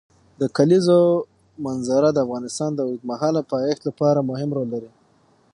د کلیزو منظره د افغانستان د اوږدمهاله پایښت لپاره مهم رول لري.